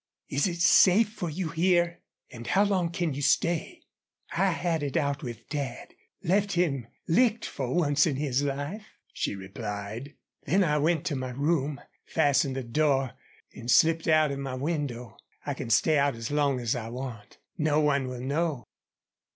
"Is it safe for you here? An' how long can you stay?" "I had it out with Dad left him licked once in his life," she replied. "Then I went to my room, fastened the door, and slipped out of my window. I can stay out as long as I want. No one will know."